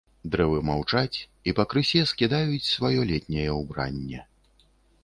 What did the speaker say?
Дрэвы маўчаць і пакрысе скідаюць сваё летняе ўбранне.